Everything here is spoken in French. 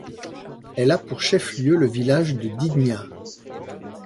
Elle a pour chef-lieu le village de Dydnia.